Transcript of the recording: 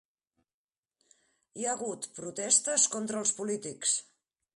Hi ha hagut protestes contra els polítics.